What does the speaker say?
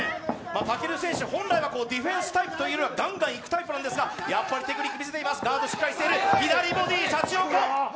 武尊選手、本来はディフェンスタイプというより、ガンガンいくタイプなんですがやっぱりテクニック見せています、ガードしっかりしている。